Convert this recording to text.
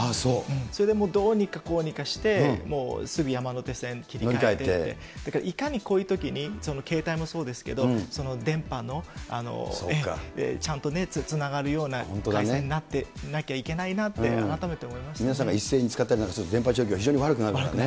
それでもうどうにかこうにかして、もうすぐ山手線に切り替えてって、だから、いかにこういうときに、携帯もそうですけど、電波のちゃんとね、つながるような回線になってなきゃいけないな皆さんが一斉に使ったりなんかすると、電波状況が非常に悪くなるからね。